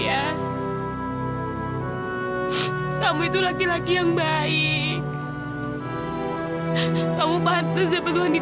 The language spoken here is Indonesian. aku udah gak bisa punya anak lagi